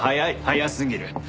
早すぎる。